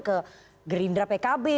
ke gerindra pkb